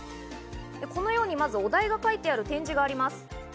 このように、まずお題が書いてある展示があります。